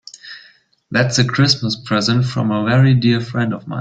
That's a Christmas present from a very dear friend of mine.